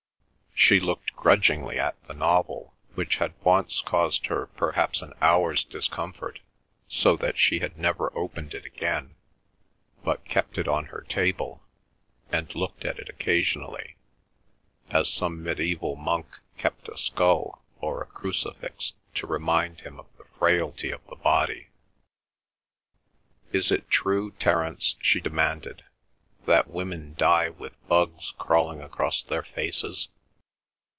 She looked grudgingly at the novel which had once caused her perhaps an hour's discomfort, so that she had never opened it again, but kept it on her table, and looked at it occasionally, as some medieval monk kept a skull, or a crucifix to remind him of the frailty of the body. "Is it true, Terence," she demanded, "that women die with bugs crawling across their faces?"